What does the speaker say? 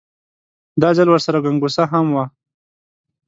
دا ځل ورسره ګونګسه هم وه.